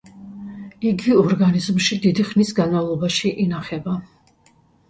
იგი ორგანიზმში დიდი ხნის განმავლობაში ინახება.